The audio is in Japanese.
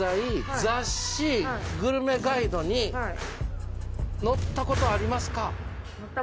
雑誌グルメガイドに載った事ありますか？